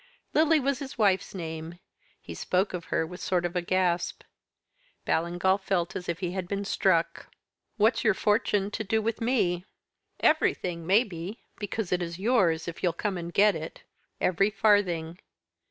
"Lily was his wife's name. He spoke of her with a sort of gasp. Ballingall felt as if he had been struck. "'What's your fortune to do with me?' "'Everything maybe because it is yours, if you'll come and get it; every farthing.